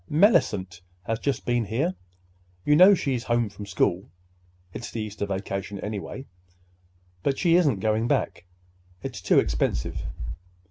"Mellicent has just been here. You know she's home from school. It's the Easter vacation, anyway, but she isn't going back. It's too expensive."